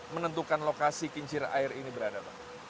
menentukan lokasi kincir air ini berada pak